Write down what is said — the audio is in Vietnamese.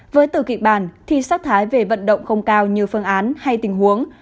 với từ kịch bản thi sắc thái về vận động không cao như phương án hay tình huống